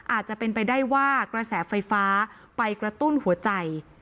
อาจจะเป็นไปได้ว่ากระแสไฟฟ้าไปกระตุ้นหัวใจ